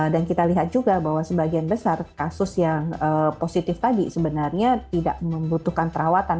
dan kita lihat juga bahwa sebagian besar kasus yang positif tadi sebenarnya tidak membutuhkan perawatan